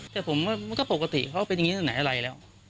แต่ผมก็ปกติเขาเป็นอย่างนี้แต่ไหนอะไรแล้ว